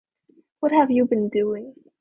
What have you been doing?